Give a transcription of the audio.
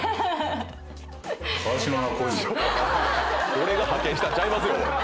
俺が派遣したんちゃいますよ。